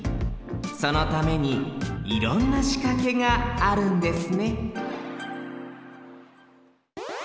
そのためにいろんなしかけがあるんですね